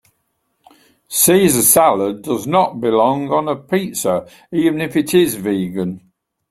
Caesar salad does not belong on a pizza even if it is vegan.